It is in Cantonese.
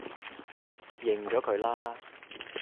認咗佢啦